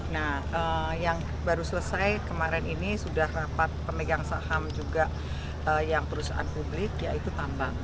nah yang baru selesai kemarin ini sudah rapat pemegang saham juga yang perusahaan publik yaitu tambang